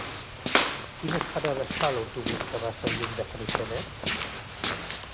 Quines parades fa l'autobús que va a Sant Guim de Freixenet?